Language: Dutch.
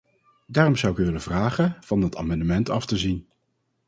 Daarom zou ik u willen vragen van dat amendement af te zien.